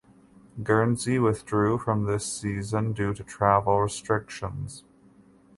Guernsey withdrew from this season due to travel restrictions.